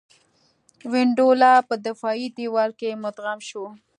وینډولا په دفاعي دېوال کې مدغم شو.